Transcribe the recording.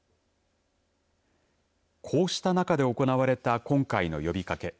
こうした中で行われた今回の呼びかけ。